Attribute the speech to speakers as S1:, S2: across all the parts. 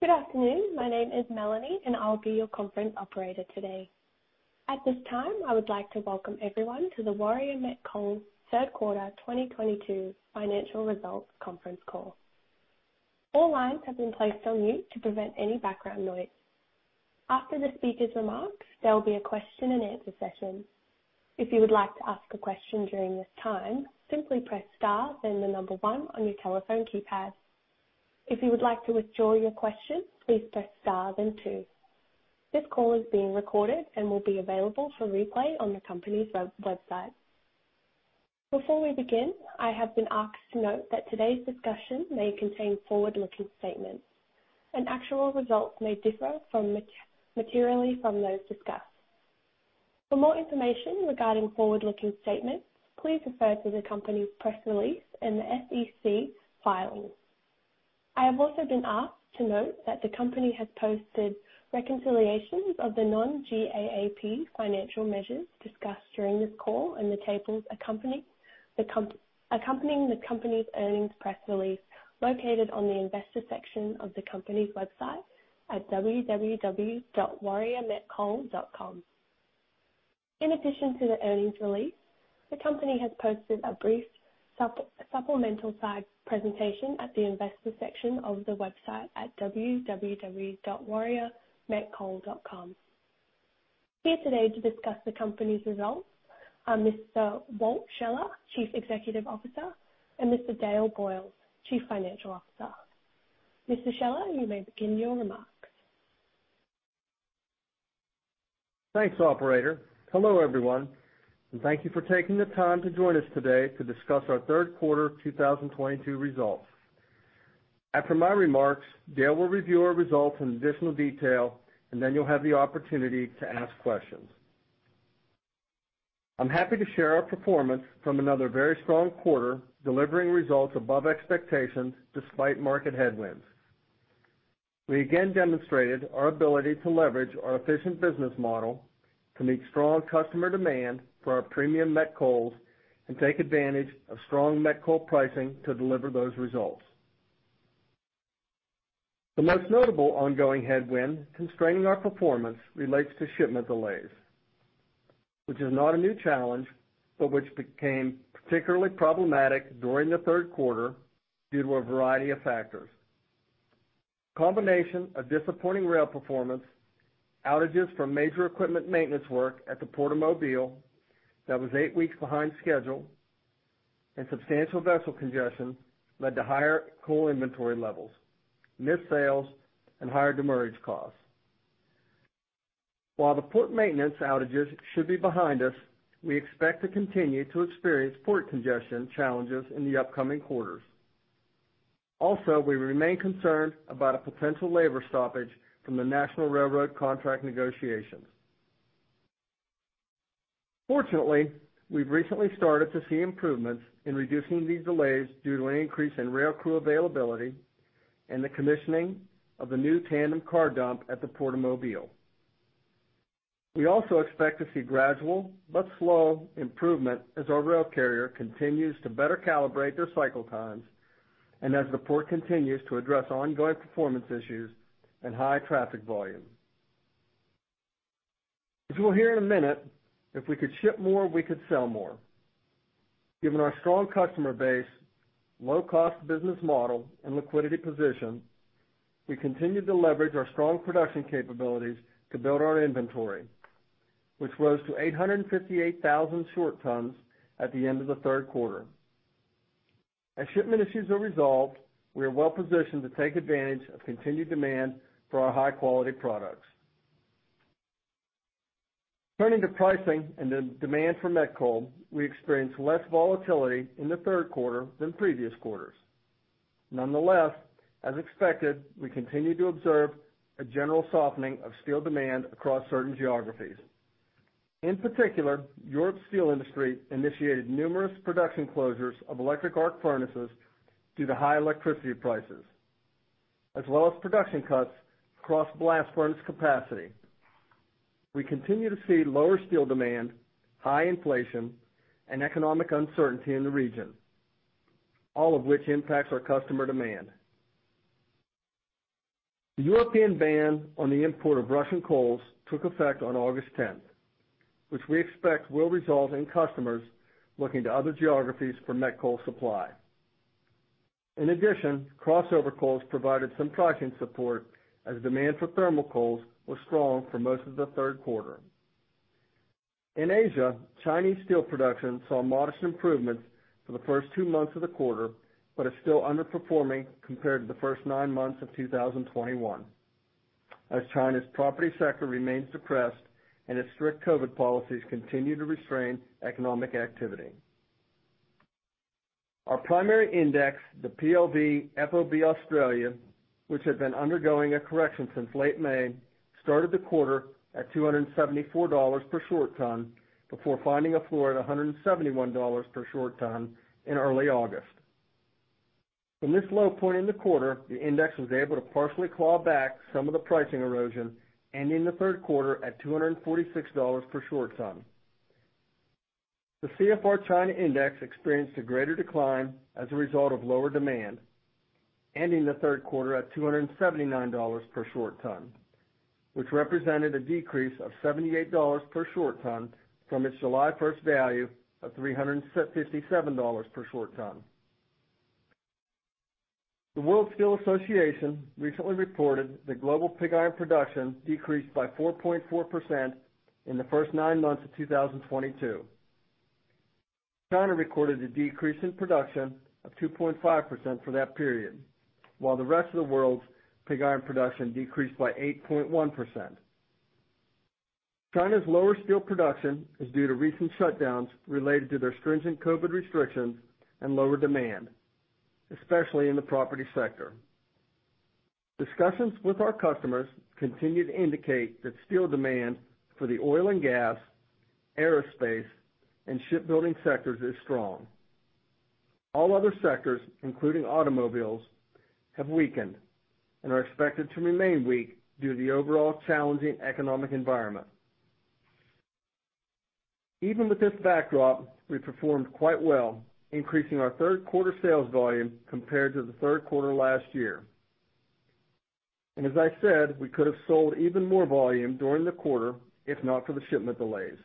S1: Good afternoon. My name is Melanie, and I'll be your conference operator today. At this time, I would like to welcome everyone to the Warrior Met Coal Third Quarter 2022 financial results conference call. All lines have been placed on mute to prevent any background noise. After the speaker's remarks, there will be a question-and-answer session. If you would like to ask a question during this time, simply press star, then the number one on your telephone keypad. If you would like to withdraw your question, please press star then two. This call is being recorded and will be available for replay on the company's website. Before we begin, I have been asked to note that today's discussion may contain forward-looking statements and actual results may differ materially from those discussed. For more information regarding forward-looking statements, please refer to the company's press release and the SEC filings. I have also been asked to note that the company has posted reconciliations of the non-GAAP financial measures discussed during this call in the tables accompanying the company's earnings press release located on the investor section of the company's website at www.warriormetcoal.com. In addition to the earnings release, the company has posted a brief supplemental slide presentation at the investor section of the website at www.warriormetcoal.com. Here today to discuss the company's results are Mr. Walt Scheller, Chief Executive Officer, and Mr. Dale Boyles, Chief Financial Officer. Mr. Scheller, you may begin your remarks.
S2: Thanks, operator. Hello, everyone. Thank you for taking the time to join us today to discuss our third quarter 2022 results. After my remarks, Dale will review our results in additional detail, and then you'll have the opportunity to ask questions. I'm happy to share our performance from another very strong quarter, delivering results above expectations despite market headwinds. We again demonstrated our ability to leverage our efficient business model to meet strong customer demand for our premium met coals and take advantage of strong met coal pricing to deliver those results. The most notable ongoing headwind constraining our performance relates to shipment delays, which is not a new challenge, but which became particularly problematic during the third quarter due to a variety of factors. Combination of disappointing rail performance, outages from major equipment maintenance work at the Port of Mobile that was eight weeks behind schedule, and substantial vessel congestion led to higher coal inventory levels, missed sales, and higher demurrage costs. While the port maintenance outages should be behind us, we expect to continue to experience port congestion challenges in the upcoming quarters. Also, we remain concerned about a potential labor stoppage from the national railroad contract negotiations. Fortunately, we've recently started to see improvements in reducing these delays due to an increase in rail crew availability and the commissioning of the new tandem car dump at the Port of Mobile. We also expect to see gradual but slow improvement as our rail carrier continues to better calibrate their cycle times and as the port continues to address ongoing performance issues and high traffic volume. As you will hear in a minute, if we could ship more, we could sell more. Given our strong customer base, low-cost business model, and liquidity position, we continued to leverage our strong production capabilities to build our inventory, which rose to 858,000 short tons at the end of the third quarter. As shipment issues are resolved, we are well positioned to take advantage of continued demand for our high-quality products. Turning to pricing and the demand for met coal, we experienced less volatility in the third quarter than previous quarters. Nonetheless, as expected, we continued to observe a general softening of steel demand across certain geographies. In particular, European steel industry initiated numerous production closures of electric arc furnaces due to high electricity prices, as well as production cuts across blast furnace capacity. We continue to see lower steel demand, high inflation, and economic uncertainty in the region, all of which impacts our customer demand. The European ban on the import of Russian coals took effect on August 10th, which we expect will result in customers looking to other geographies for met coal supply. In addition, crossover coals provided some pricing support as demand for thermal coals was strong for most of the third quarter. In Asia, Chinese steel production saw modest improvements for the first two months of the quarter, but is still underperforming compared to the first nine months of 2021, as China's property sector remains depressed and its strict COVID policies continue to restrain economic activity. Our primary index, the PLV FOB Australia, which had been undergoing a correction since late May, started the quarter at $274 per short ton before finding a floor at $171 per short ton in early August. From this low point in the quarter, the index was able to partially claw back some of the pricing erosion, ending the third quarter at $246 per short ton. The CFR China Index experienced a greater decline as a result of lower demand, ending the third quarter at $279 per short ton, which represented a decrease of $78 per short ton from its July first value of $357 per short ton. The World Steel Association recently reported that global pig iron production decreased by 4.4% in the first nine months of 2022. China recorded a decrease in production of 2.5% for that period, while the rest of the world's pig iron production decreased by 8.1%. China's lower steel production is due to recent shutdowns related to their stringent COVID restrictions and lower demand, especially in the property sector. Discussions with our customers continue to indicate that steel demand for the oil and gas, aerospace, and shipbuilding sectors is strong. All other sectors, including automobiles, have weakened and are expected to remain weak due to the overall challenging economic environment. Even with this backdrop, we performed quite well, increasing our third quarter sales volume compared to the third quarter last year. As I said, we could have sold even more volume during the quarter if not for the shipment delays.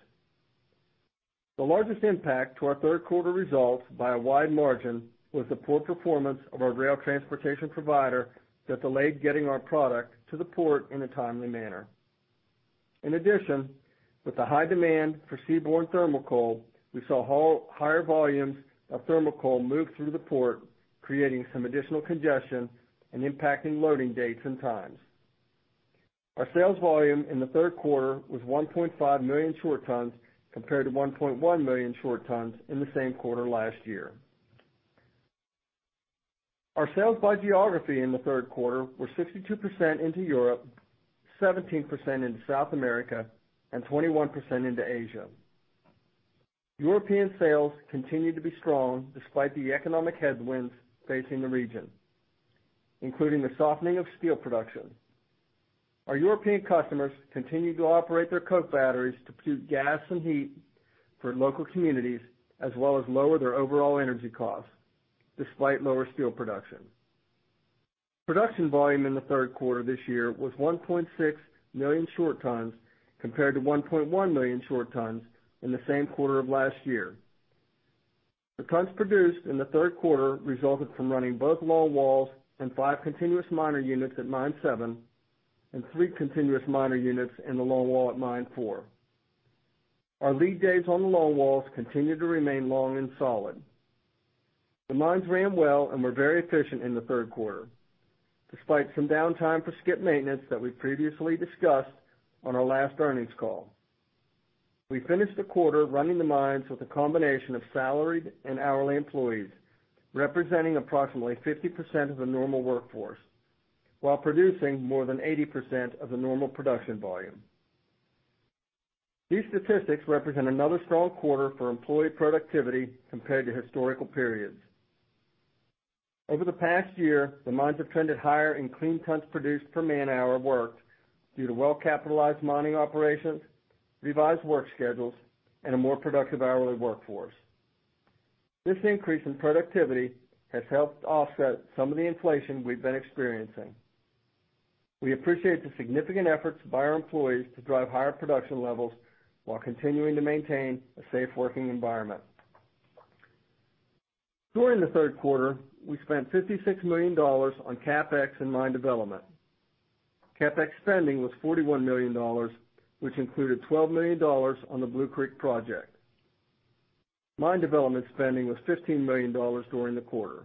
S2: The largest impact to our third quarter results by a wide margin was the poor performance of our rail transportation provider that delayed getting our product to the port in a timely manner. In addition, with the high demand for seaborne thermal coal, we saw higher volumes of thermal coal move through the port, creating some additional congestion and impacting loading dates and times. Our sales volume in the third quarter was 1.5 million short tons compared to 1.1 million short tons in the same quarter last year. Our sales by geography in the third quarter were 62% into Europe, 17% into South America, and 21% into Asia. European sales continued to be strong despite the economic headwinds facing the region, including the softening of steel production. Our European customers continued to operate their coke batteries to produce gas and heat for local communities, as well as lower their overall energy costs despite lower steel production. Production volume in the third quarter this year was 1.6 million short tons compared to 1.1 million short tons in the same quarter of last year. The tons produced in the third quarter resulted from running both longwalls and five continuous miner units at Mine 7 and three continuous miner units in the longwall at Mine 4. Our lead days on the longwalls continued to remain long and solid. The mines ran well and were very efficient in the third quarter, despite some downtime for skip maintenance that we previously discussed on our last earnings call. We finished the quarter running the mines with a combination of salaried and hourly employees, representing approximately 50% of the normal workforce, while producing more than 80% of the normal production volume. These statistics represent another strong quarter for employee productivity compared to historical periods. Over the past year, the mines have trended higher in clean tons produced per man-hour worked due to well-capitalized mining operations, revised work schedules, and a more productive hourly workforce. This increase in productivity has helped offset some of the inflation we've been experiencing. We appreciate the significant efforts by our employees to drive higher production levels while continuing to maintain a safe working environment. During the third quarter, we spent $56 million on CapEx and mine development. CapEx spending was $41 million, which included $12 million on the Blue Creek project. Mine development spending was $15 million during the quarter.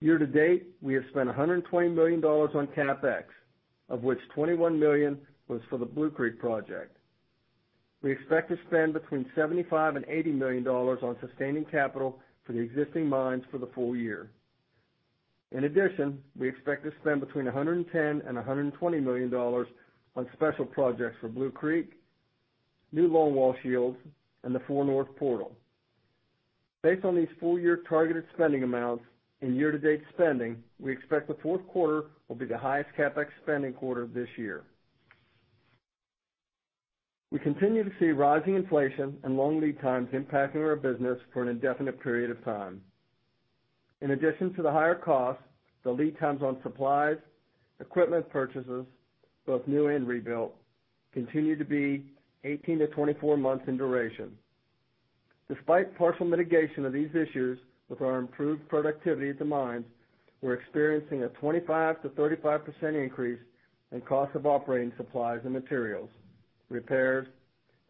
S2: Year to date, we have spent $120 million on CapEx, of which $21 million was for the Blue Creek project. We expect to spend between $75 million and $80 million on sustaining capital for the existing mines for the full year. In addition, we expect to spend between $110 million and $120 million on special projects for Blue Creek, new longwall shields, and the 4 North portal. Based on these full-year targeted spending amounts and year-to-date spending, we expect the fourth quarter will be the highest CapEx spending quarter this year. We continue to see rising inflation and long lead times impacting our business for an indefinite period of time. In addition to the higher costs, the lead times on supplies, equipment purchases, both new and rebuilt, continue to be 18-24 months in duration. Despite partial mitigation of these issues with our improved productivity at the mines, we're experiencing a 25%-35% increase in cost of operating supplies and materials, repairs,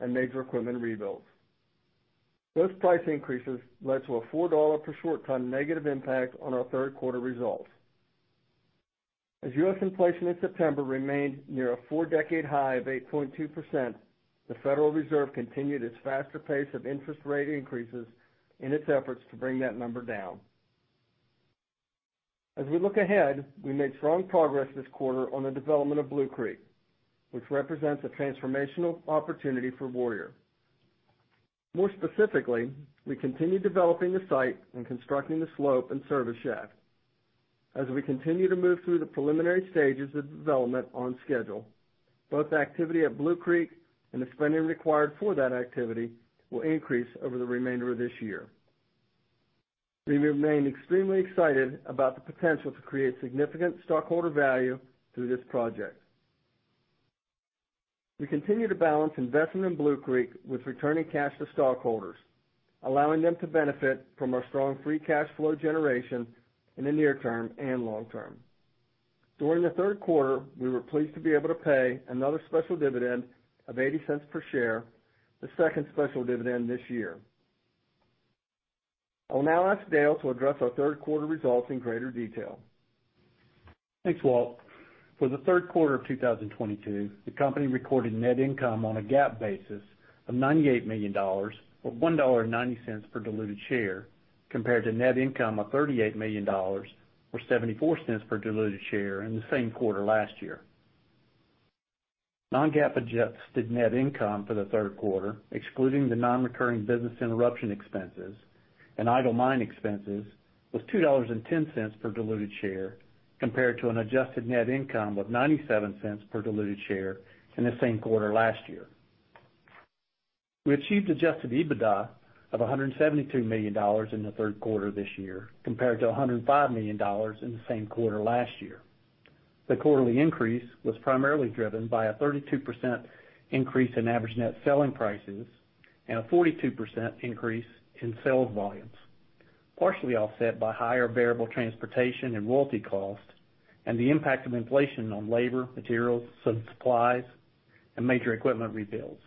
S2: and major equipment rebuilds. Those price increases led to a $4 per short ton negative impact on our third quarter results. As U.S. inflation in September remained near a four-decade high of 8.2%, the Federal Reserve continued its faster pace of interest rate increases in its efforts to bring that number down. As we look ahead, we made strong progress this quarter on the development of Blue Creek, which represents a transformational opportunity for Warrior. More specifically, we continued developing the site and constructing the slope and service shaft. As we continue to move through the preliminary stages of development on schedule, both activity at Blue Creek and the spending required for that activity will increase over the remainder of this year. We remain extremely excited about the potential to create significant stockholder value through this project. We continue to balance investment in Blue Creek with returning cash to stockholders, allowing them to benefit from our strong free cash flow generation in the near term and long term. During the third quarter, we were pleased to be able to pay another special dividend of $0.80 per share, the second special dividend this year. I will now ask Dale to address our third quarter results in greater detail.
S3: Thanks, Walt. For the third quarter of 2022, the company recorded net income on a GAAP basis of $98 million, or $1.90 per diluted share, compared to net income of $38 million, or $0.74 per diluted share in the same quarter last year. Non-GAAP adjusted net income for the third quarter, excluding the non-recurring business interruption expenses and idle mine expenses, was $2.10 per diluted share compared to an adjusted net income of $0.97 per diluted share in the same quarter last year. We achieved adjusted EBITDA of $172 million in the third quarter this year, compared to $105 million in the same quarter last year. The quarterly increase was primarily driven by a 32% increase in average net selling prices and a 42% increase in sales volumes, partially offset by higher variable transportation and royalty costs and the impact of inflation on labor, materials, supplies and major equipment rebuilds.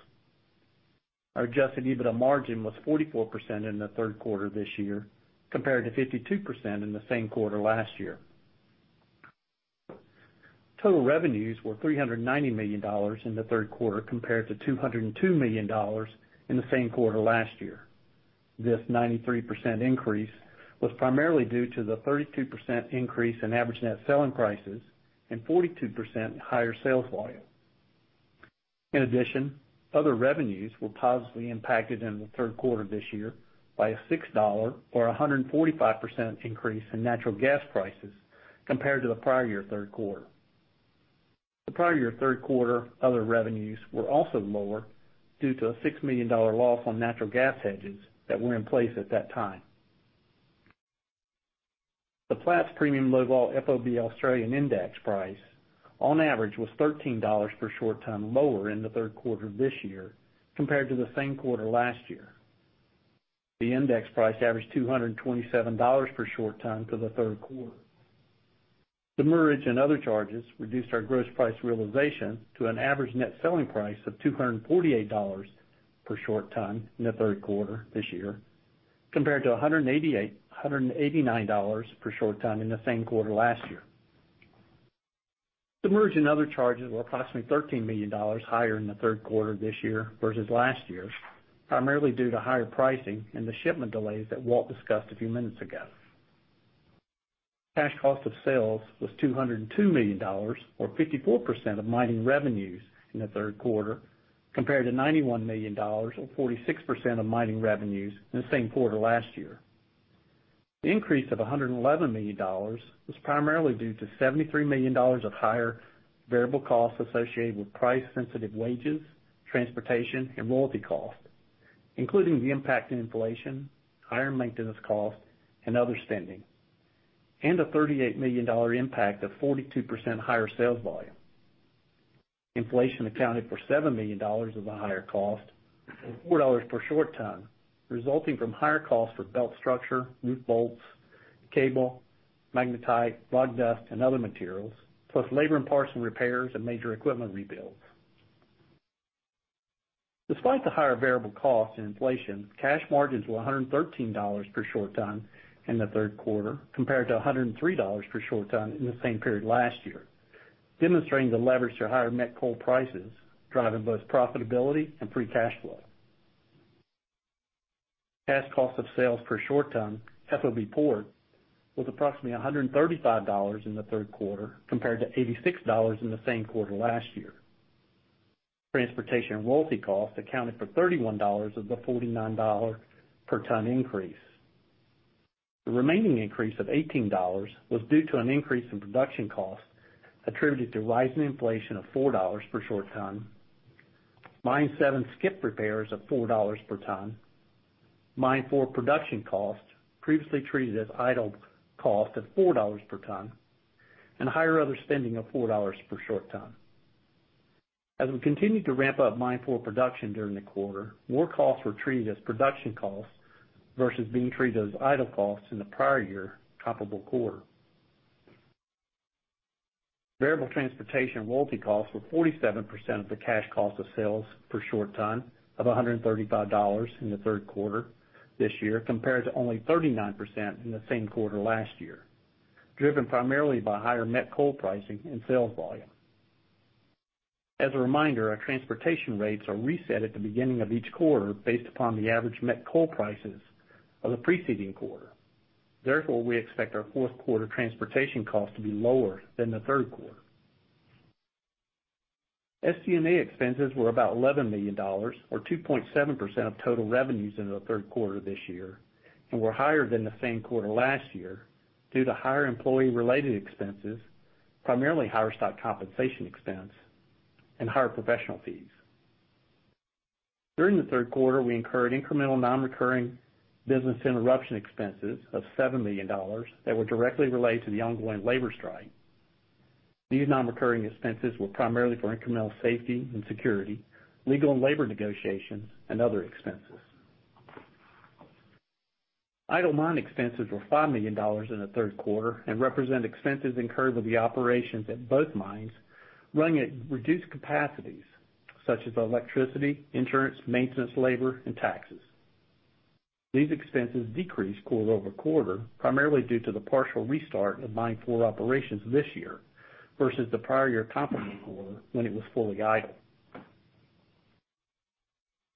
S3: Our adjusted EBITDA margin was 44% in the third quarter this year, compared to 52% in the same quarter last year. Total revenues were $390 million in the third quarter compared to $202 million in the same quarter last year. This 93% increase was primarily due to the 32% increase in average net selling prices and 42% higher sales volume. In addition, other revenues were positively impacted in the third quarter this year by a $6, or 145% increase in natural gas prices compared to the prior year third quarter. The prior year third quarter other revenues were also lower due to a $6 million loss on natural gas hedges that were in place at that time. The Platts Premium Low-Vol FOB Australia index price on average was $13 per short ton lower in the third quarter this year compared to the same quarter last year. The index price averaged $227 per short ton for the third quarter. Demurrage and other charges reduced our gross price realization to an average net selling price of $248 per short ton in the third quarter this year, compared to $189 per short ton in the same quarter last year. Demurrage and other charges were approximately $13 million higher in the third quarter this year versus last year, primarily due to higher pricing and the shipment delays that Walt discussed a few minutes ago. Cash cost of sales was $202 million, or 54% of mining revenues in the third quarter, compared to $91 million or 46% of mining revenues in the same quarter last year. The increase of $111 million was primarily due to $73 million of higher variable costs associated with price sensitive wages, transportation, and royalty costs, including the impact of inflation, higher maintenance costs, and other spending, and a $38 million impact of 42% higher sales volume. Inflation accounted for $7 million of the higher cost and $4 per short ton, resulting from higher costs for belt structure, roof bolts, cable, magnetite, rock dust, and other materials, plus labor and parts and repairs and major equipment rebuilds. Despite the higher variable costs and inflation, cash margins were $113 per short ton in the third quarter compared to $103 per short ton in the same period last year, demonstrating the leverage to higher met coal prices, driving both profitability and free cash flow. Cash cost of sales per short ton FOB port was approximately $135 in the third quarter compared to $86 in the same quarter last year. Transportation and royalty costs accounted for $31 of the $49 per ton increase. The remaining increase of $18 was due to an increase in production costs attributed to rising inflation of $4 per short ton, Mine 7 skip repairs of $4 per ton, Mine 4 production costs previously treated as idle costs of $4 per ton, and higher other spending of $4 per short ton. As we continued to ramp up Mine 4 production during the quarter, more costs were treated as production costs versus being treated as idle costs in the prior year comparable quarter. Variable transportation and royalty costs were 47% of the cash cost of sales per short ton of $135 in the third quarter this year, compared to only 39% in the same quarter last year, driven primarily by higher met coal pricing and sales volume. As a reminder, our transportation rates are reset at the beginning of each quarter based upon the average met coal prices of the preceding quarter. Therefore, we expect our fourth quarter transportation cost to be lower than the third quarter. SG&A expenses were about $11 million or 2.7% of total revenues in the third quarter this year and were higher than the same quarter last year due to higher employee-related expenses, primarily higher stock compensation expense and higher professional fees. During the third quarter, we incurred incremental non-recurring business interruption expenses of $7 million that were directly related to the ongoing labor strike. These non-recurring expenses were primarily for incremental safety and security, legal and labor negotiations, and other expenses. Idle mine expenses were $5 million in the third quarter and represent expenses incurred while the operations at both mines running at reduced capacities such as electricity, insurance, maintenance, labor, and taxes. These expenses decreased quarter-over-quarter, primarily due to the partial restart of Mine 4 operations this year versus the prior year comparable quarter when it was fully idle.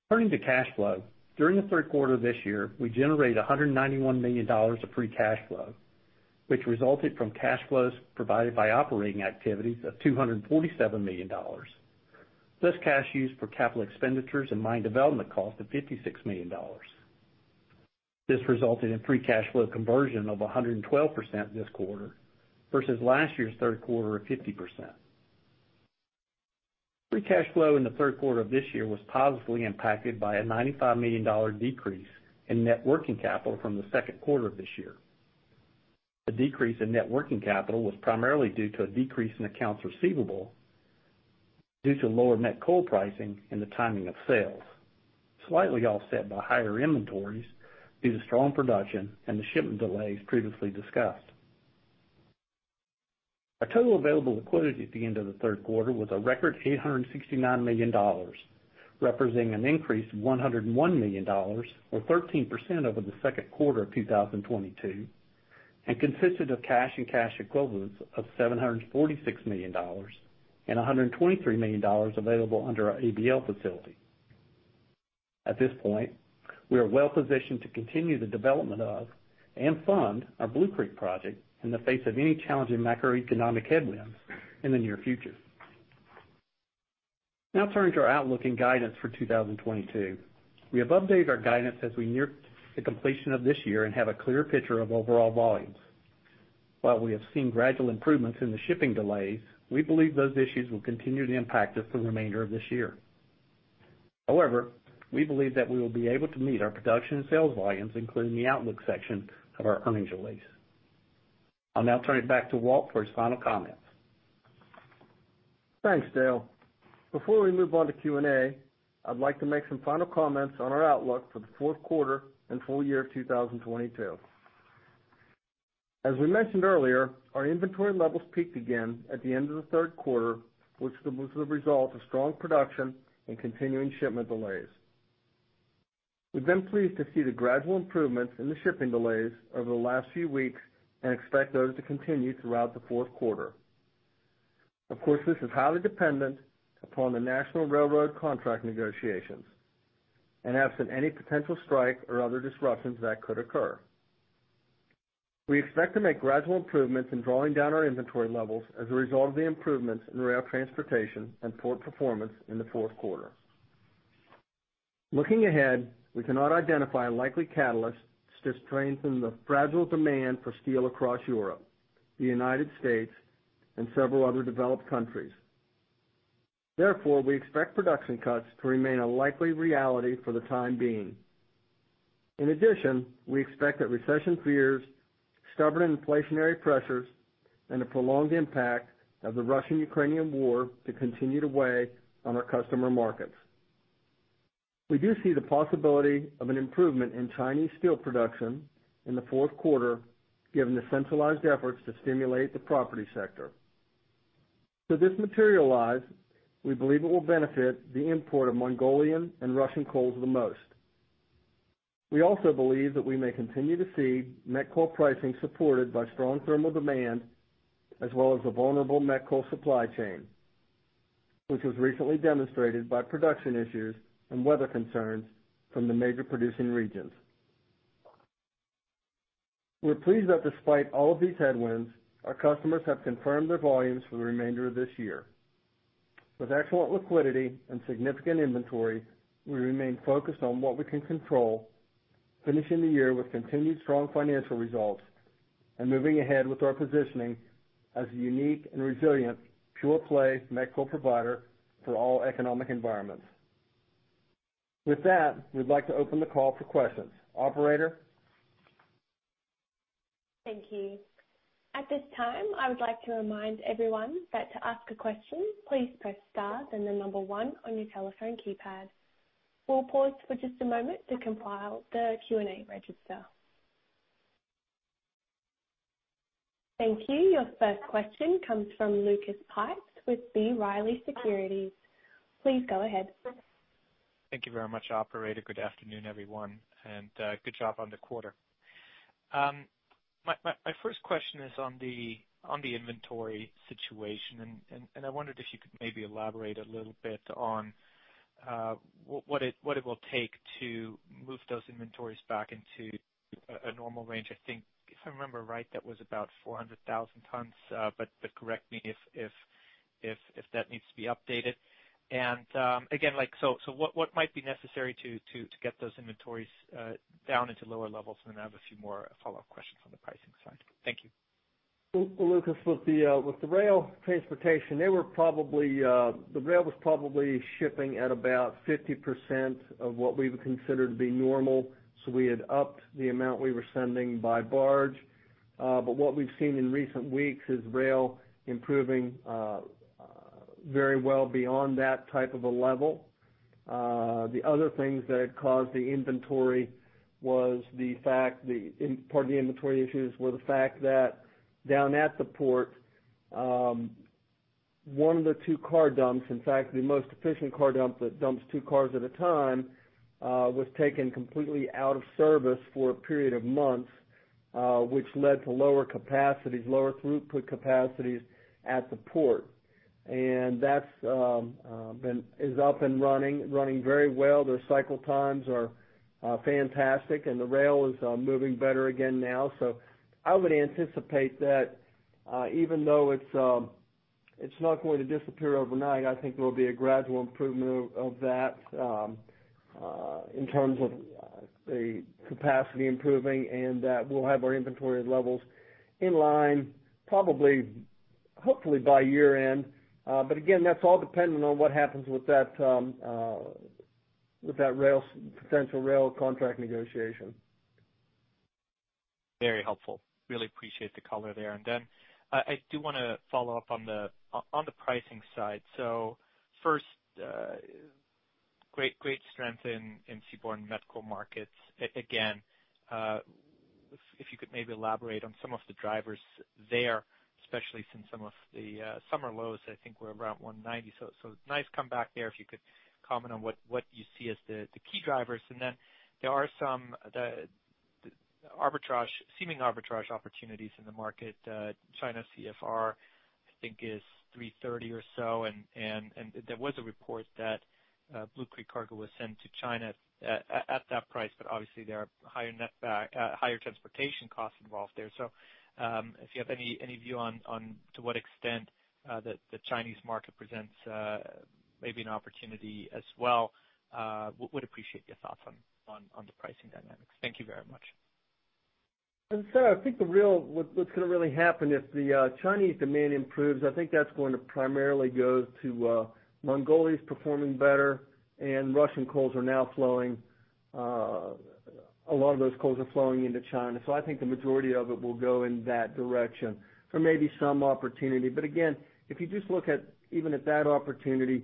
S3: Turning to cash flow, during the third quarter this year, we generated $191 million of free cash flow, which resulted from cash flows provided by operating activities of $247 million. Cash used for capital expenditures and mine development costs of $56 million. This resulted in free cash flow conversion of 112% this quarter versus last year's third quarter of 50%. Free cash flow in the third quarter of this year was positively impacted by a $95 million decrease in net working capital from the second quarter of this year. The decrease in net working capital was primarily due to a decrease in accounts receivable due to lower met coal pricing and the timing of sales, slightly offset by higher inventories due to strong production and the shipment delays previously discussed. Our total available liquidity at the end of the third quarter was a record $869 million, representing an increase of $101 million or 13% over the second quarter of 2022, and consisted of cash and cash equivalents of $746 million and $123 million available under our ABL facility. At this point, we are well positioned to continue the development of and fund our Blue Creek project in the face of any challenging macroeconomic headwinds in the near future. Now turning to our outlook and guidance for 2022. We have updated our guidance as we near the completion of this year and have a clear picture of overall volumes. While we have seen gradual improvements in the shipping delays, we believe those issues will continue to impact us for the remainder of this year. However, we believe that we will be able to meet our production and sales volumes, including the outlook section of our earnings release. I'll now turn it back to Walt for his final comments.
S2: Thanks, Dale. Before we move on to Q and A, I'd like to make some final comments on our outlook for the fourth quarter and full year of 2022. As we mentioned earlier, our inventory levels peaked again at the end of the third quarter, which was the result of strong production and continuing shipment delays. We've been pleased to see the gradual improvements in the shipping delays over the last few weeks and expect those to continue throughout the fourth quarter. Of course, this is highly dependent upon the national railroad contract negotiations and absent any potential strike or other disruptions that could occur. We expect to make gradual improvements in drawing down our inventory levels as a result of the improvements in rail transportation and port performance in the fourth quarter. Looking ahead, we cannot identify likely catalysts to strengthen the fragile demand for steel across Europe, the United States, and several other developed countries. Therefore, we expect production cuts to remain a likely reality for the time being. In addition, we expect that recession fears, stubborn inflationary pressures, and the prolonged impact of the Russia-Ukraine War to continue to weigh on our customer markets. We do see the possibility of an improvement in Chinese steel production in the fourth quarter, given the centralized efforts to stimulate the property sector. Should this materialize, we believe it will benefit the import of Mongolian and Russian coals the most. We also believe that we may continue to see met coal pricing supported by strong thermal demand as well as the vulnerable met coal supply chain, which was recently demonstrated by production issues and weather concerns from the major producing regions. We're pleased that despite all of these headwinds, our customers have confirmed their volumes for the remainder of this year. With excellent liquidity and significant inventory, we remain focused on what we can control, finishing the year with continued strong financial results and moving ahead with our positioning as a unique and resilient pure-play met coal provider for all economic environments. With that, we'd like to open the call for questions. Operator?
S1: Thank you. At this time, I would like to remind everyone that to ask a question, please press star then the number one on your telephone keypad. We'll pause for just a moment to compile the Q and A register. Thank you. Your first question comes from Lucas Pipes with B. Riley Securities. Please go ahead.
S4: Thank you very much, operator. Good afternoon, everyone, and good job on the quarter. My first question is on the inventory situation, and I wondered if you could maybe elaborate a little bit on what it will take to move those inventories back into a normal range. I think if I remember right, that was about 400,000 tons. But correct me if that needs to be updated. Again, like, so what might be necessary to get those inventories down into lower levels? I have a few more follow-up questions on the pricing side. Thank you.
S2: Lucas, with the rail transportation, the rail was probably shipping at about 50% of what we would consider to be normal. We had upped the amount we were sending by barge. What we've seen in recent weeks is rail improving very well beyond that type of a level. The other things that had caused the inventory was the fact part of the inventory issues were the fact that down at the port, one of the two car dumps, in fact, the most efficient car dump that dumps two cars at a time, was taken completely out of service for a period of months, which led to lower capacities, lower throughput capacities at the port. That's is up and running very well. The cycle times are fantastic, and the rail is moving better again now. I would anticipate that even though it's not going to disappear overnight, I think there will be a gradual improvement of that in terms of the capacity improving and that we'll have our inventory levels in line probably, hopefully by year-end. Again, that's all dependent on what happens with that rail, potential rail contract negotiation.
S4: Very helpful. Really appreciate the color there. I do wanna follow up on the pricing side. First, great strength in seaborne met coal markets. Again, if you could maybe elaborate on some of the drivers there, especially since some of the summer lows, I think were around $190. Nice comeback there, if you could comment on what you see as the key drivers. There are some seeming arbitrage opportunities in the market. China CFR, I think is $330 or so, and there was a report that Blue Creek cargo was sent to China at that price. But obviously, there are higher net, higher transportation costs involved there. If you have any view on to what extent the Chinese market presents maybe an opportunity as well. Would appreciate your thoughts on the pricing dynamics. Thank you very much.
S2: I think the real what's gonna really happen if the Chinese demand improves. I think that's going to primarily go to Mongolia's performing better, and Russian coals are now flowing. A lot of those coals are flowing into China. I think the majority of it will go in that direction. There may be some opportunity, but again, if you just look at even at that opportunity,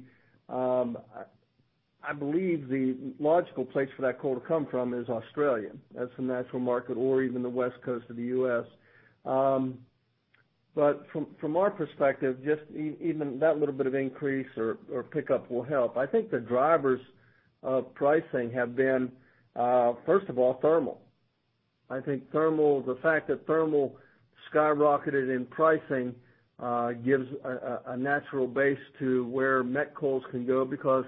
S2: I believe the logical place for that coal to come from is Australia. That's the natural market or even the West Coast of the U.S.. But from our perspective, just even that little bit of increase or pickup will help. I think the drivers of pricing have been first of all, thermal. I think thermal, the fact that thermal skyrocketed in pricing, gives a natural base to where met coals can go because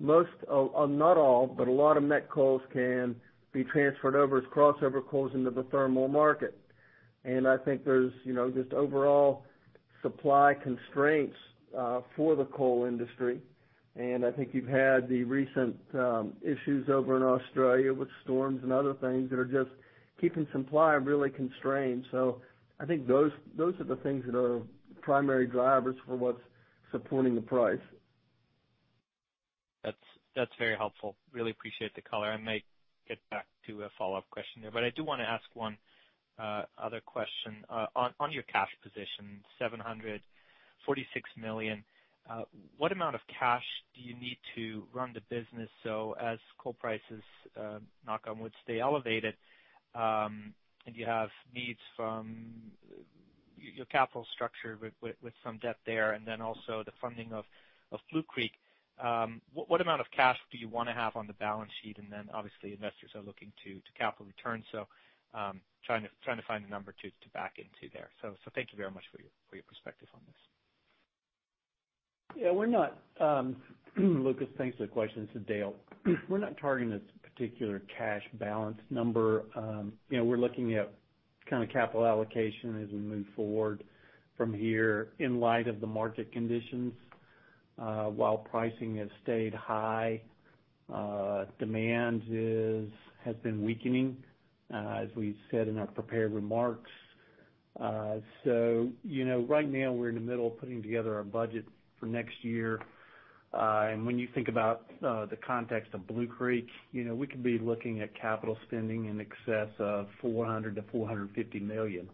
S2: most of, not all, but a lot of met coals can be transferred over as crossover coals into the thermal market. I think there's, you know, just overall supply constraints for the coal industry. I think you've had the recent issues over in Australia with storms and other things that are just keeping supply really constrained. I think those are the things that are primary drivers for what's supporting the price.
S4: That's very helpful. Really appreciate the color. I may get back to a follow-up question there, but I do wanna ask one other question on your cash position, $746 million. What amount of cash do you need to run the business? As coal prices, knock on wood, stay elevated, and you have needs from your capital structure with some debt there, and then also the funding of Blue Creek. What amount of cash do you wanna have on the balance sheet? Then obviously investors are looking to capital returns. Trying to find a number to back into there. Thank you very much for your perspective on this.
S3: Yeah, we're not, Lucas, thanks for the question. This is Dale. We're not targeting this particular cash balance number. You know, we're looking at kind of capital allocation as we move forward from here in light of the market conditions. While pricing has stayed high, demand has been weakening, as we said in our prepared remarks. You know, right now we're in the middle of putting together our budget for next year. When you think about the context of Blue Creek, you know, we could be looking at capital spending in excess of $400 million-$450 million,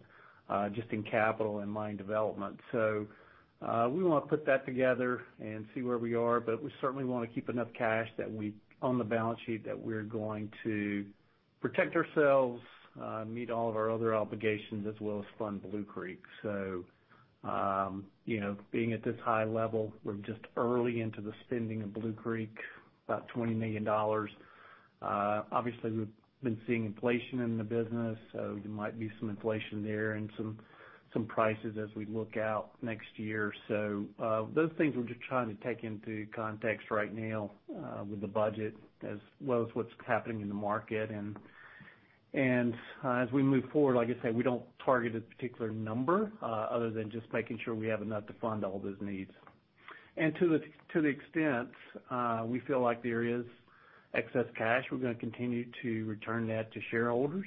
S3: just in capital and mine development. We wanna put that together and see where we are, but we certainly wanna keep enough cash that we, on the balance sheet that we're going to protect ourselves, meet all of our other obligations as well as fund Blue Creek. You know, being at this high level, we're just early into the spending of Blue Creek, about $20 million. Obviously we've been seeing inflation in the business, so there might be some inflation there and some prices as we look out next year. Those things we're just trying to take into context right now, with the budget as well as what's happening in the market. As we move forward, like I said, we don't target a particular number, other than just making sure we have enough to fund all those needs. To the extent we feel like there is excess cash, we're gonna continue to return that to shareholders,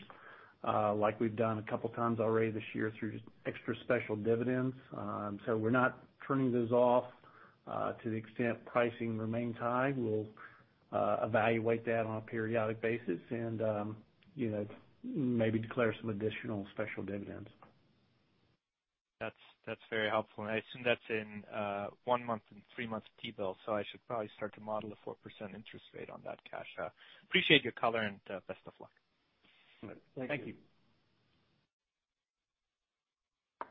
S3: like we've done a couple times already this year through extra special dividends. We're not turning those off. To the extent pricing remains high, we'll evaluate that on a periodic basis and, you know, maybe declare some additional special dividends.
S4: That's very helpful. I assume that's in one-month and three months T-bill, so I should probably start to model a 4% interest rate on that cash. Appreciate your color and best of luck.
S3: All right. Thank you.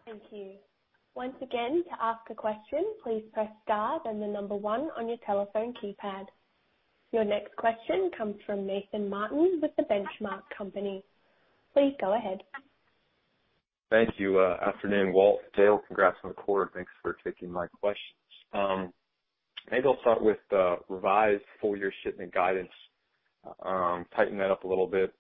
S4: Thank you.
S1: Thank you. Once again, to ask a question, please press star then the number one on your telephone keypad. Your next question comes from Nathan Martin with The Benchmark Company. Please go ahead.
S5: Thank you. Afternoon, Walt, Dale. Congrats on the quarter. Thanks for taking my questions. Maybe I'll start with the revised full year shipment guidance, tighten that up a little bit.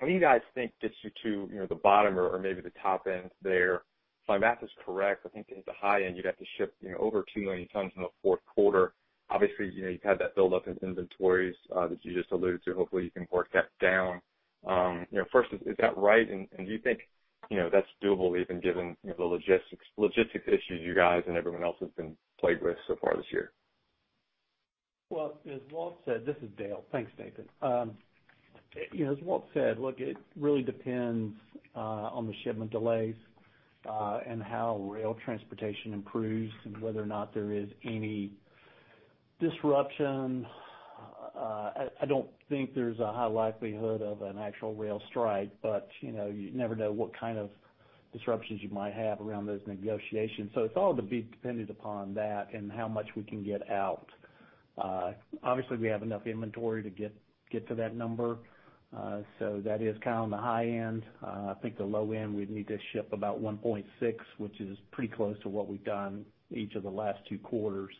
S5: What do you guys think gets you to, you know, the bottom or maybe the top end there? If my math is correct, I think at the high end you'd have to ship, you know, over 2 million tons in the fourth quarter. Obviously, you know, you've had that build up in inventories that you just alluded to. Hopefully you can work that down. You know, first, is that right? And do you think, you know, that's doable even given, you know, the logistics issues you guys and everyone else has been plagued with so far this year?
S3: As Walt said. This is Dale. Thanks, Nathan. You know, as Walt said, look, it really depends on the shipment delays and how rail transportation improves and whether or not there is any disruption. I don't think there's a high likelihood of an actual rail strike, but you know, you never know what kind of disruptions you might have around those negotiations. It's all to be dependent upon that and how much we can get out. Obviously we have enough inventory to get to that number. That is kind of on the high end. I think the low end we'd need to ship about 1.6, which is pretty close to what we've done each of the last two quarters.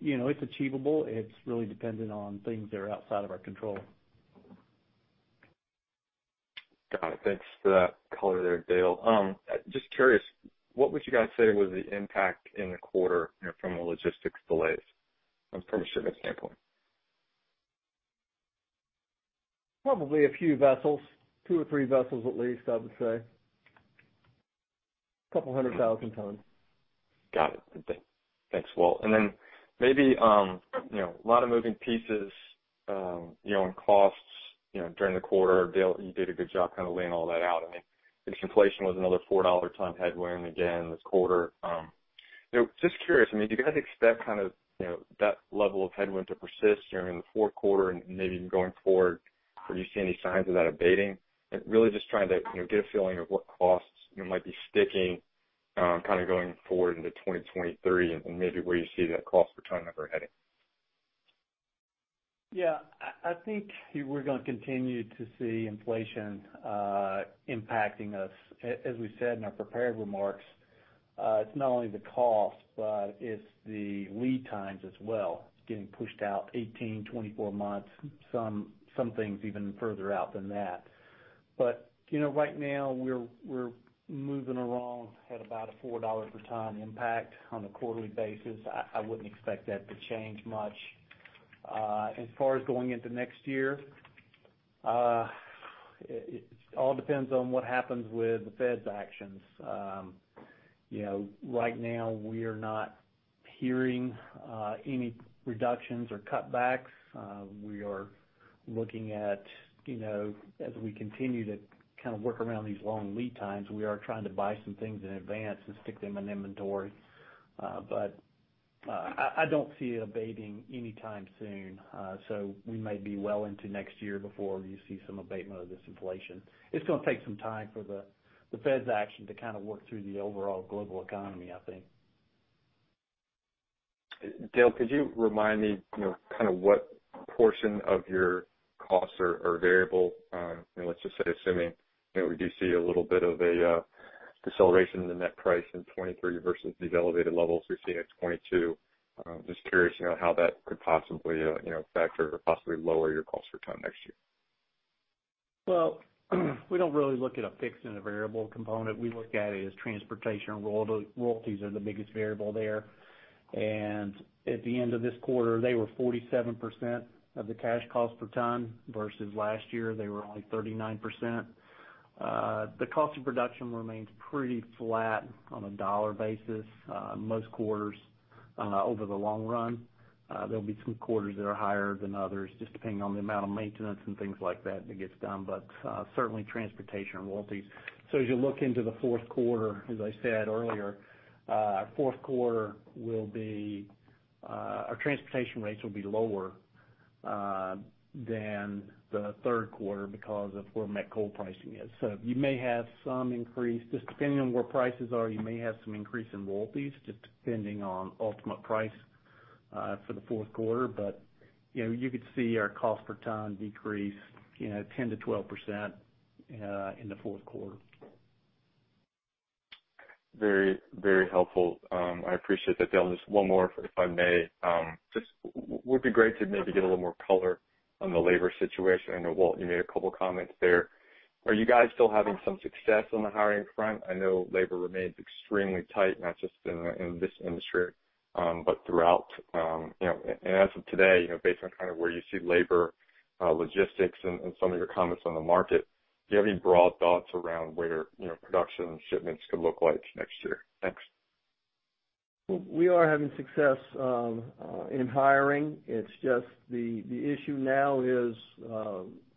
S3: You know, it's achievable. It's really dependent on things that are outside of our control.
S5: Got it. Thanks for that color there, Dale. Just curious, what would you guys say was the impact in the quarter, you know, from the logistics delays from a shipment standpoint?
S2: Probably a few vessels. two or three vessels at least, I would say. 200,000 tons.
S5: Got it. Thanks, Walt. Maybe you know a lot of moving pieces you know and costs you know during the quarter. Dale, you did a good job kind of laying all that out. I mean, I think inflation was another $4 a ton headwind again this quarter. You know, just curious, I mean, do you guys expect kind of you know that level of headwind to persist during the fourth quarter and maybe even going forward? Or do you see any signs of that abating? Really just trying to you know get a feeling of what costs you know might be sticking kind of going forward into 2023 and maybe where you see that cost per ton number heading.
S3: Yeah. I think we're gonna continue to see inflation impacting us. As we said in our prepared remarks, it's not only the cost, but it's the lead times as well. It's getting pushed out 18months-24 months, some things even further out than that. You know, right now we're moving along at about a $4 per ton impact on a quarterly basis. I wouldn't expect that to change much. As far as going into next year, it all depends on what happens with the Fed's actions. You know, right now we are not hearing any reductions or cutbacks. We are looking at, you know, as we continue to kind of work around these long lead times, we are trying to buy some things in advance and stick them in inventory. I don't see it abating anytime soon. We may be well into next year before you see some abatement of this inflation. It's gonna take some time for the Fed's action to kind of work through the overall global economy, I think.
S5: Dale, could you remind me, you know, kind of what portion of your costs are variable? You know, let's just say assuming, you know, we do see a little bit of a deceleration in the net price in 2023 versus these elevated levels we've seen in 2022. Just curious, you know, how that could possibly factor or possibly lower your cost per ton next year.
S3: Well, we don't really look at a fixed and a variable component. We look at it as transportation and royalties are the biggest variable there. At the end of this quarter, they were 47% of the cash cost per ton versus last year they were only 39%. The cost of production remains pretty flat on a dollar basis, most quarters, over the long run. There'll be some quarters that are higher than others just depending on the amount of maintenance and things like that that gets done. Certainly transportation and royalties. As you look into the fourth quarter, as I said earlier, fourth quarter will be, our transportation rates will be lower, than the third quarter because of where met coal pricing is. You may have some increase just depending on where prices are. You may have some increase in royalties just depending on ultimate price. for the fourth quarter. You know, you could see our cost per ton decrease, you know, 10%-12% in the fourth quarter.
S5: Very, very helpful. I appreciate that, Dale. Just one more, if I may. Just would be great to maybe get a little more color on the labor situation. I know, Walt, you made a couple comments there. Are you guys still having some success on the hiring front? I know labor remains extremely tight, not just in this industry, but throughout, you know. As of today, you know, based on kind of where you see labor, logistics and some of your comments on the market, do you have any broad thoughts around where, you know, production and shipments could look like next year? Thanks.
S2: We are having success in hiring. It's just the issue now is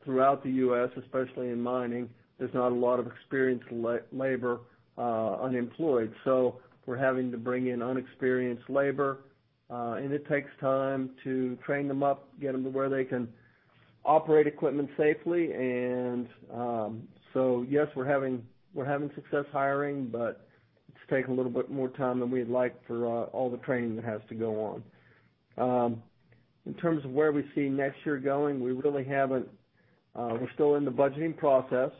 S2: throughout the U.S., especially in mining, there's not a lot of experienced labor unemployed. We're having to bring in inexperienced labor, and it takes time to train them up, get them to where they can operate equipment safely. Yes, we're having success hiring, but it's taking a little bit more time than we'd like for all the training that has to go on. In terms of where we see next year going, we're still in the budgeting process,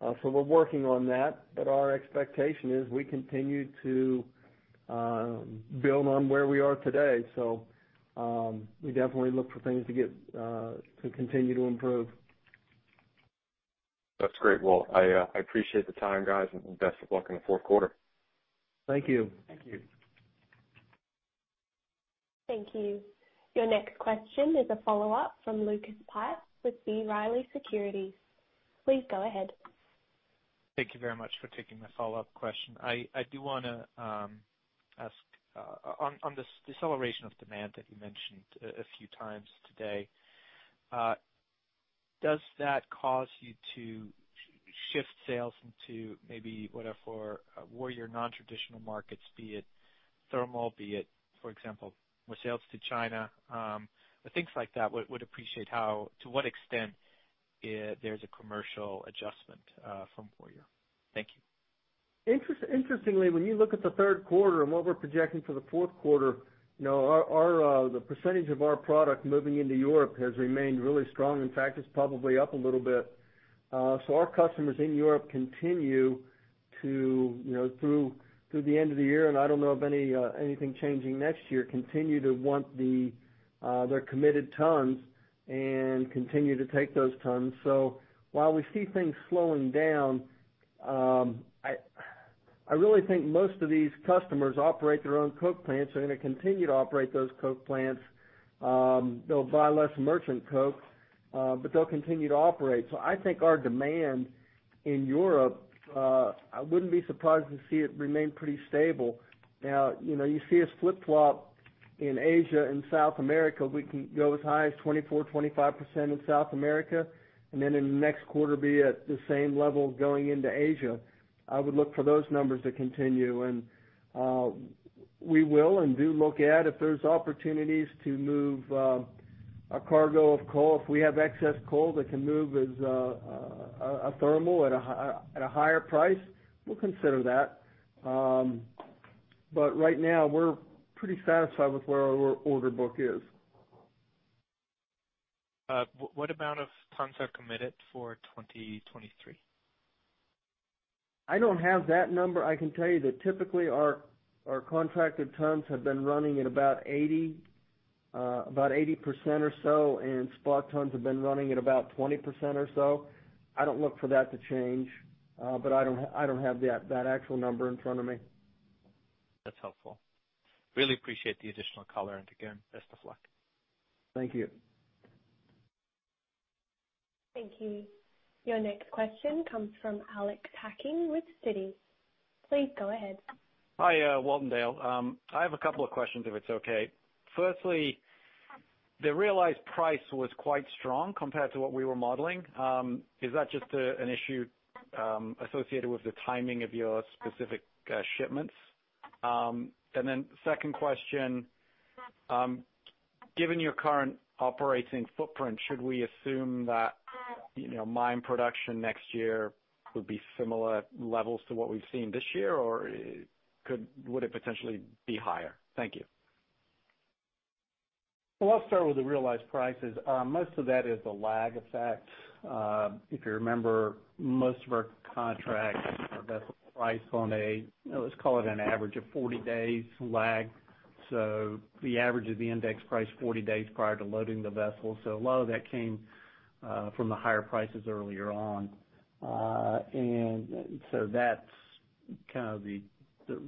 S2: so we're working on that. Our expectation is we continue to build on where we are today. We definitely look for things to continue to improve.
S5: That's great, Walt. I appreciate the time, guys, and best of luck in the fourth quarter.
S2: Thank you.
S5: Thank you.
S1: Thank you. Your next question is a follow-up from Lucas Pipes with B. Riley Securities. Please go ahead.
S4: Thank you very much for taking my follow-up question. I do wanna ask on this deceleration of demand that you mentioned a few times today, does that cause you to shift sales into maybe whatever where your nontraditional markets, be it thermal, be it, for example, more sales to China, or things like that. Would appreciate to what extent there's a commercial adjustment from Warrior. Thank you.
S2: Interestingly, when you look at the third quarter and what we're projecting for the fourth quarter, you know, the percentage of our product moving into Europe has remained really strong. In fact, it's probably up a little bit. So our customers in Europe continue to, you know, through the end of the year, and I don't know of any anything changing next year, continue to want their committed tons and continue to take those tons. So while we see things slowing down, I really think most of these customers operate their own coke plants. They're gonna continue to operate those coke plants. They'll buy less merchant coke, but they'll continue to operate. So I think our demand in Europe, I wouldn't be surprised to see it remain pretty stable. Now, you know, you see us flip-flop in Asia and South America. We can go as high as 24-25% in South America, and then in the next quarter, be at the same level going into Asia. I would look for those numbers to continue. We will and do look at if there's opportunities to move a cargo of coal. If we have excess coal that can move as a thermal at a higher price, we'll consider that. Right now, we're pretty satisfied with where our order book is.
S4: What amount of tons are committed for 2023?
S2: I don't have that number. I can tell you that typically our contracted tons have been running at about 80% or so, and spot tons have been running at about 20% or so. I don't look for that to change, but I don't have that actual number in front of me.
S4: That's helpful. Really appreciate the additional color, and again, best of luck.
S2: Thank you.
S1: Thank you. Your next question comes from Alex Hacking with Citi. Please go ahead.
S6: Hi, Walt and Dale. I have a couple of questions if it's okay. Firstly, the realized price was quite strong compared to what we were modeling. Is that just an issue associated with the timing of your specific shipments? Second question. Given your current operating footprint, should we assume that, you know, mine production next year would be similar levels to what we've seen this year, or would it potentially be higher? Thank you.
S2: Well, I'll start with the realized prices. Most of that is a lag effect. If you remember, most of our contracts are vessel price on a, let's call it an average of 40 days lag. The average of the index price 40 days prior to loading the vessel. A lot of that came from the higher prices earlier on. That's kind of the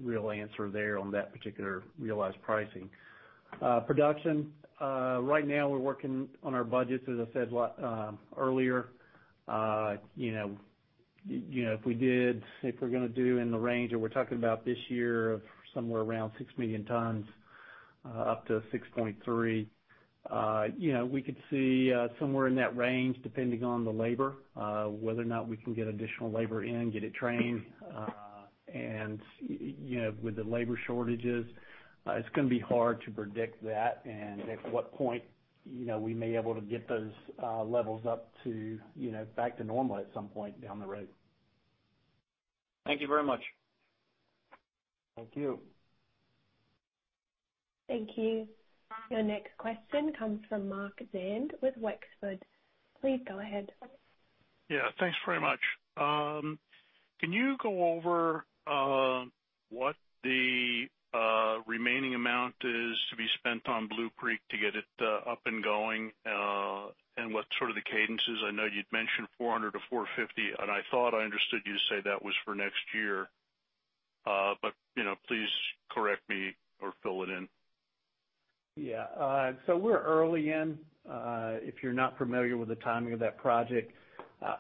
S2: real answer there on that particular realized pricing. Production right now we're working on our budgets, as I said earlier. You know, if we're gonna do in the range that we're talking about this year of somewhere around 6 million tons up to 6.3, you know, we could see somewhere in that range, depending on the labor, whether or not we can get additional labor in, get it trained. With the labor shortages, it's gonna be hard to predict that and at what point, you know, we may able to get those levels up to, you know, back to normal at some point down the road.
S6: Thank you very much.
S2: Thank you.
S1: Thank you. Your next question comes from Mark Zand with Wexford. Please go ahead.
S7: Yeah, thanks very much. Can you go over what the remaining amount is to be spent on Blue Creek to get it up and going? And what sort of the cadences? I know you'd mentioned $400-$450, and I thought I understood you to say that was for next year. You know, please correct me or fill it in.
S3: Yeah. We're early in. If you're not familiar with the timing of that project,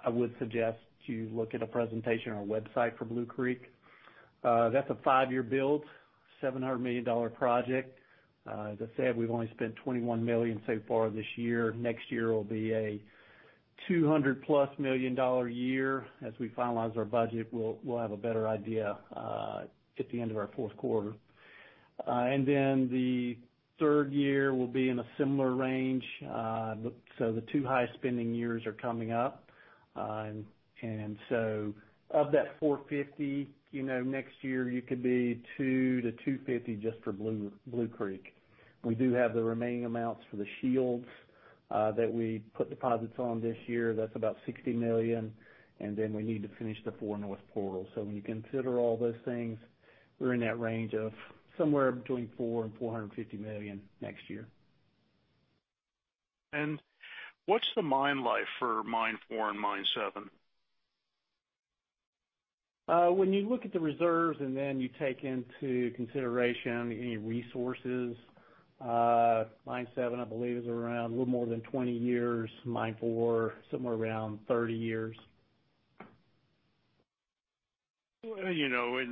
S3: I would suggest you look at a presentation on our website for Blue Creek. That's a five-year build, $700 million project. As I said, we've only spent $21 million so far this year. Next year will be a $200+ million year. As we finalize our budget, we'll have a better idea at the end of our fourth quarter. The third year will be in a similar range. The two highest spending years are coming up. Of that $450, you know, next year you could be $200-$250 just for Blue Creek. We do have the remaining amounts for the shields that we put deposits on this year. That's about $60 million. Then we need to finish the 4 North portal. When you consider all those things, we're in that range of somewhere between $400 million and $450 million next year.
S7: What's the mine life for Mine 4 and Mine 7?
S2: When you look at the reserves and then you take into consideration any resources, Mine 7, I believe is around a little more than 20 years. Mine 4, somewhere around 30 years.
S7: Well, you know, I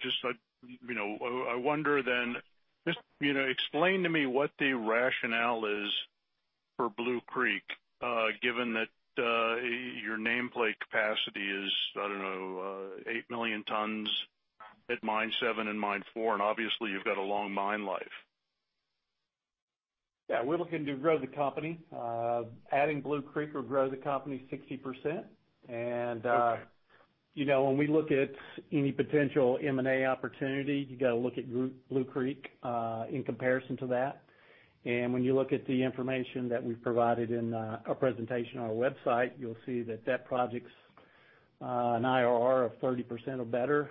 S7: just, you know, I wonder then, just, you know, explain to me what the rationale is for Blue Creek, given that, your nameplate capacity is, I don't know, 8 million tons at Mine 7 and Mine 4, and obviously you've got a long mine life.
S2: Yeah, we're looking to grow the company. Adding Blue Creek would grow the company 60%.
S7: Okay.
S2: You know, when we look at any potential M&A opportunity, you gotta look at Blue Creek in comparison to that. When you look at the information that we've provided in our presentation on our website, you'll see that that project's an IRR of 30% or better.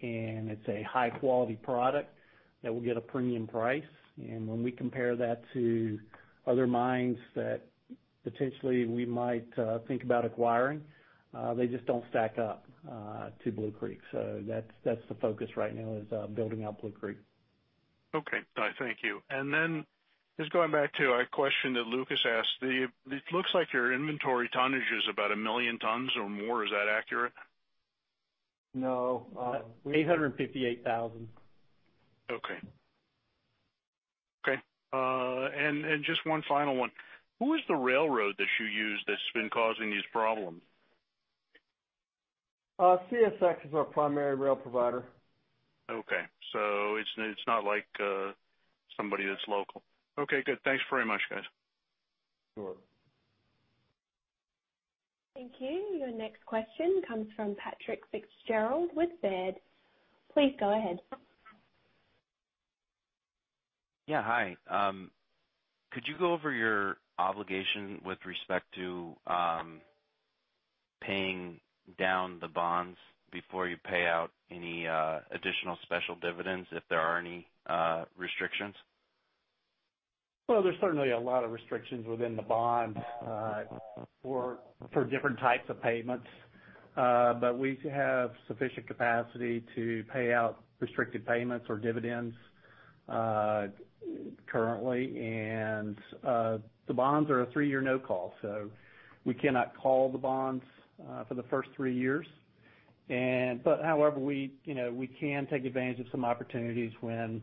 S2: It's a high quality product that will get a premium price. When we compare that to other mines that potentially we might think about acquiring, they just don't stack up to Blue Creek. That's the focus right now is building out Blue Creek.
S7: Okay. All right, thank you. Just going back to a question that Lucas asked. It looks like your inventory tonnage is about 1 million tons or more. Is that accurate?
S2: No. 858,000.
S7: Okay. Just one final one. Who is the railroad that you use that's been causing these problems?
S2: CSX is our primary rail provider.
S7: Okay. It's not like somebody that's local. Okay, good. Thanks very much, guys.
S2: Sure.
S1: Thank you. Your next question comes from Patrick Fitzgerald with Baird. Please go ahead.
S8: Yeah. Hi. Could you go over your obligation with respect to paying down the bonds before you pay out any additional special dividends, if there are any restrictions?
S3: Well, there's certainly a lot of restrictions within the bond for different types of payments. We have sufficient capacity to pay out restricted payments or dividends currently. The bonds are a three-year no call. We cannot call the bonds for the first three years. We can take advantage of some opportunities when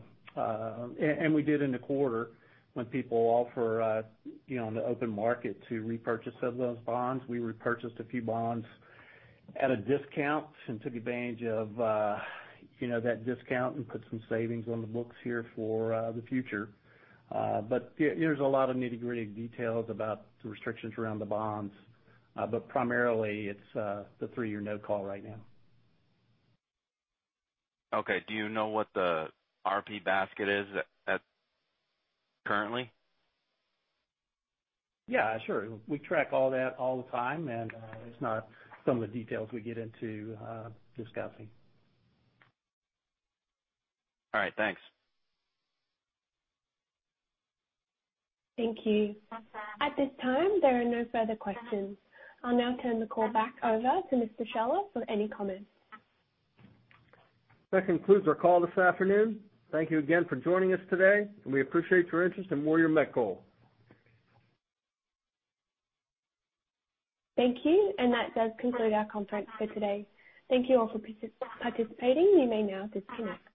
S3: people offer you know in the open market to repurchase some of those bonds. We repurchased a few bonds at a discount and took advantage of you know that discount and put some savings on the books here for the future. There's a lot of nitty-gritty details about the restrictions around the bonds. Primarily it's the three-year no call right now.
S8: Okay. Do you know what the RP basket is at currently?
S3: Yeah, sure. We track all that all the time, and it's not some of the details we get into discussing.
S8: All right. Thanks.
S1: Thank you. At this time, there are no further questions. I'll now turn the call back over to Mr. Scheller for any comments.
S2: That concludes our call this afternoon. Thank you again for joining us today, and we appreciate your interest in Warrior Met Coal.
S1: Thank you. That does conclude our conference for today. Thank you all for participating. You may now disconnect.